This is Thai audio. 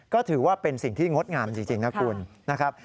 ก็ถือว่าเป็นสิ่งที่งดงามจริงนะคุณนะครับ